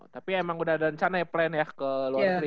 tapi emang udah ada rencana ya plan ya ke luar negeri